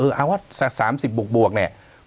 เออเอาไว้๓๐บวกเนี่ย